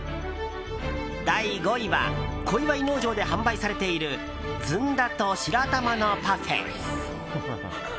第５位は小岩井農場で販売されているずんだと白玉のパフェ。